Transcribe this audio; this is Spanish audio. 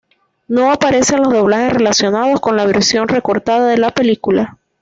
No aparecen los doblajes relacionados con la versión recortada de la película.